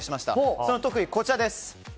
その特技はこちらです。